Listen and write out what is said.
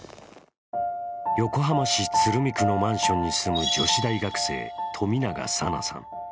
横浜市鶴見区のマンションに住む女子大学生・冨永紗菜さん。